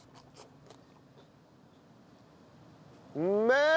うめえ！